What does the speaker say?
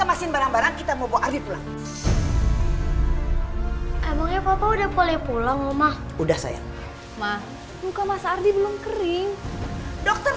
pulang emangnya papa udah pulang rumah udah sayang mah bukan mas ardi belum kering dokter